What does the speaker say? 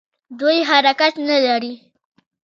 دوی حرکت نه لري.